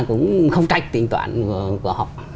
cũng không trách tính toán của họ